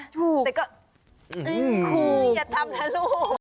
ถูกถูกถูกอย่าทำนะลูก